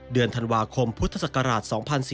เดือนธันวาคมพุทธศักราช๒๔๙